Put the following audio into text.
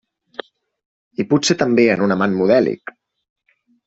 I potser també en un amant modèlic.